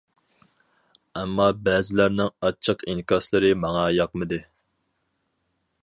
ئەمما بەزىلەرنىڭ ئاچچىق ئىنكاسلىرى ماڭا ياقمىدى.